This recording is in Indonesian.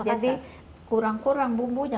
jadi kurang kurang bumbunya